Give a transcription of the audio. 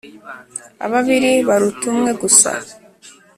Ababiri baruta umwe. Gusa